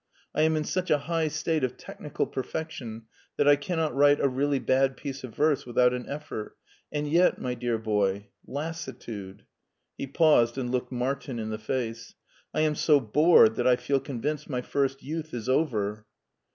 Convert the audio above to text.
I am in such a high state of technical perfection that I cannot write a really bad piece of verse without an effort, and yet, my dear boy — ^lassi tude "— ^he paused and looked Martin in the face —I am so bored that I feel conduced my first youth is over.